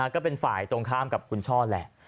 ก็เป็นฝ่ายตรงข้ามกับคุณช่อแหละ